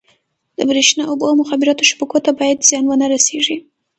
د بریښنا، اوبو او مخابراتو شبکو ته باید زیان ونه رسېږي.